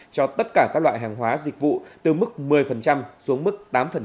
cho tất cả các loại hàng hóa dịch vụ từ mức một mươi xuống mức tám